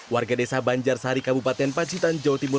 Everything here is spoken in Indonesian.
warga desa banjar sari kabupaten pacitan jawa timur